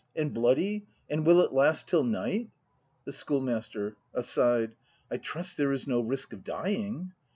And bloody ? And will it last till night ? The Schoolmaster. [Aside.] I trust there is no risk of dying